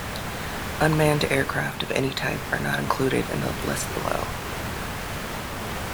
Unmanned aircraft of any type are not included in the list below.